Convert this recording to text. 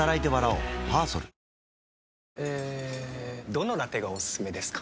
どのラテがおすすめですか？